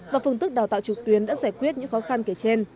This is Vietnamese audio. và phương thức đào tạo trực tuyến đã giải quyết những khó khăn kể trên